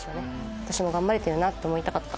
私も頑張れてるな！って思いたかった。